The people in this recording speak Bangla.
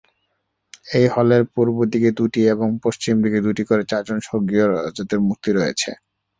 এই হলের পূর্ব দিকে দুটি এবং পশ্চিম দিকে দুটি করে চারজন স্বর্গীয় রাজাদের মূর্তি রয়েছে।